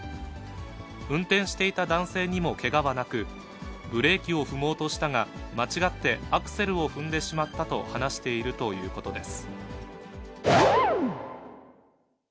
運転していた男性にもけがはなく、ブレーキを踏もうとしたが、間違ってアクセルを踏んでしまったと話しているということです。